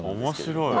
面白い。